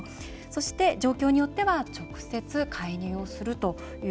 そして、状況によっては直接介入をすると。